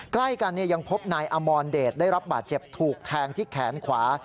ใกล้กันยังพบนายอมรเดชได้รับบาดเจ็บถูกแทงที่แขนขวา